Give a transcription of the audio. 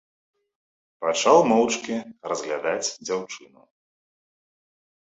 Пачаў моўчкі разглядаць дзяўчыну.